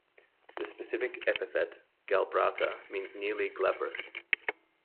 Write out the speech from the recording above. The specific epithet ("glabrata") means "nearly glabrous".